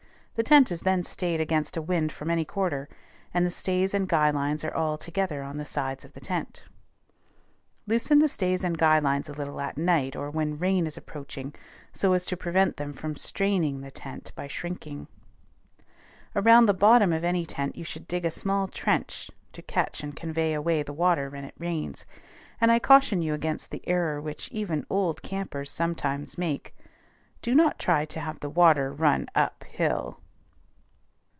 The tent is then stayed against a wind from any quarter, and the stays and guy lines are all together on the sides of the tent. Loosen the stays and guy lines a little at night or when rain is approaching, so as to prevent them from straining the tent by shrinking. Around the bottom of any tent you should dig a small trench to catch and convey away the water when it rains; and I caution you against the error which even old campers sometimes make, do not try to have the water run up hill.